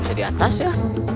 bisa di atas ya